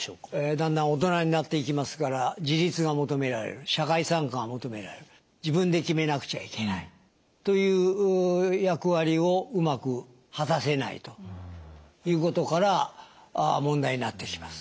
だんだん大人になっていきますから自立が求められる社会参加が求められる自分で決めなくちゃいけないという役割をうまく果たせないということから問題になってきます。